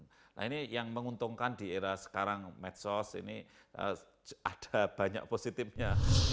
nah ini yang menguntungkan di era sekarang medsos ini ada banyak positifnya